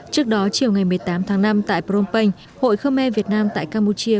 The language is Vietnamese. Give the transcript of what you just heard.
trước đó chiều ngày một mươi tám tháng năm tại phnom penh hội khơ me việt nam tại campuchia